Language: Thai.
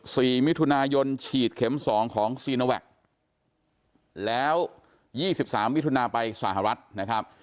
สี่มิถุนายนฉีดเข็มสองของซีโนแวคแล้วยี่สิบสามมิถุนาไปสหรัฐนะครับ